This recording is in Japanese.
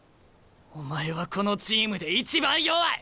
お前はこのチームで一番弱い！